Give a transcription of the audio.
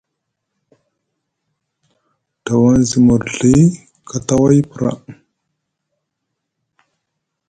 Dawaŋ zi murzɵi kataway pra.